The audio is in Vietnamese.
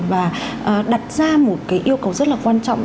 và đặt ra một cái yêu cầu rất là quan trọng